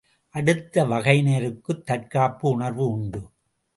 அடுத்த வகையினருக்குத் தற்காப்பு உணர்வு உண்டு.